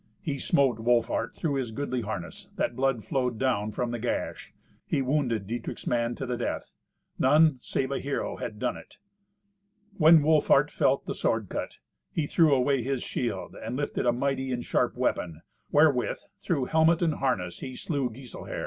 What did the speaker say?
He smote Wolfhart through his goodly harness, that blood flowed down from the gash: he wounded Dietrich's man to the death. None save a hero had done it. When Wolfhart felt the sword cut, he threw away his shield, and lifted a mighty and sharp weapon, wherewith, through helmet and harness, he slew Giselher.